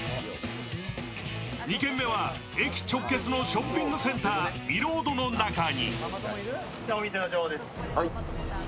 ２軒目は駅直結のショッピングセンター・ミロードの中に。